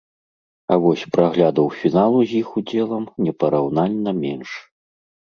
А вось праглядаў фіналу з іх удзелам непараўнальна менш.